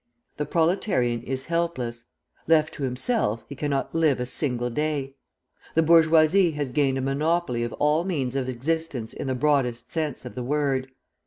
The proletarian is helpless; left to himself, he cannot live a single day. The bourgeoisie has gained a monopoly of all means of existence in the broadest sense of the word.